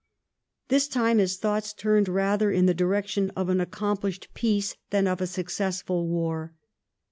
This time his thoughts turned rather in the direction of an accomplished peace than of a successful war.